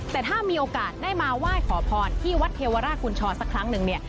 แต่ถ้ามีโอกาสได้มาไหว้ขอพรที่วัดเทวราชกุญชรสักครั้งหนึ่งเนี่ย